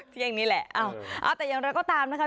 เที่ยงนี้แหละเอาแต่อย่างไรก็ตามนะคะ